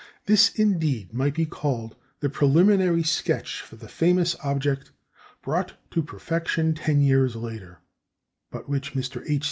This, indeed, might be called the preliminary sketch for the famous object brought to perfection ten years later, but which Mr. H.